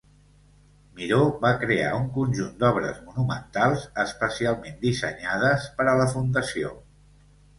Miró va crear un conjunt d'obres monumentals especialment dissenyades per a la fundació.